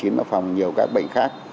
nó phòng nhiều các bệnh khác